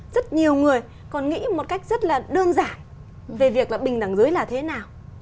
rất nhiều người còn nghĩ một cách rất là đơn giản về việc là bình đẳng giới là thế nào